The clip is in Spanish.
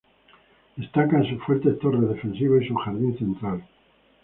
Destacan sus fuertes torres defensivas y su jardín central.